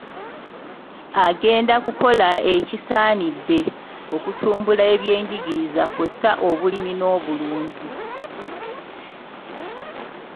Agenda kukola ekisaanidde okutumbula ebyenjigiriza kw’ossa obulimi n’obulunzi.